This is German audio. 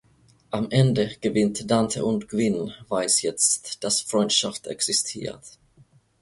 Am Ende gewinnt Dante und Gwyn weiß jetzt das Freundschaft existiert.